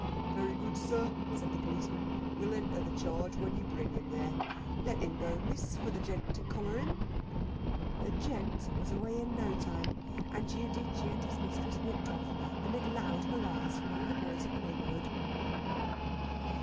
"Very good, Sir," said the policeman, "we'll enter the charge when you bring him there; let him go, Miss, for the Gent to collar him." The "Gent" was away in no time, and Giudice and his mistress walked off amid loud hurrahs from all the boys of the neighbourhood.